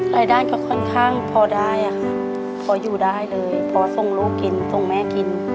รายได้ก็ค่อนข้างพอได้อะค่ะพออยู่ได้เลยพอส่งลูกกินส่งแม่กิน